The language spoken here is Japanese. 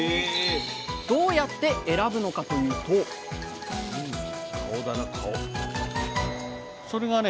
どうやって選ぶのかというとそれがね